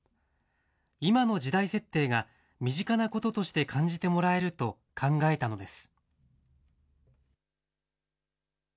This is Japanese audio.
今の時代設定が身近なこととして感じてもらえると考えたのです。